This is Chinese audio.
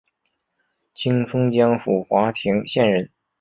清松江府华亭县人。